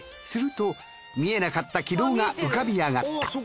すると見えなかった軌道が浮かび上がった。